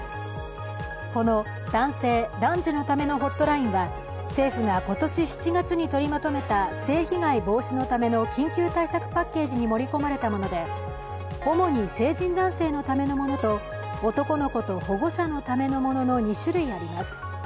この男性・男児のためのホットラインは政府が今年７月に取りまとめた性被害防止のための緊急対策パッケージに盛り込まれたもので主に成人男性のためのものと、男の子と保護者のためのものと２種類あります。